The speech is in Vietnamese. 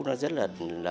nó rất là